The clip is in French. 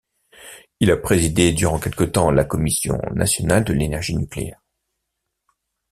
Il a présidé durant quelque temps la Commission nationale de l'énergie nucléaire.